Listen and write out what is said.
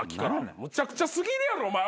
むちゃくちゃ過ぎるやろお前おい！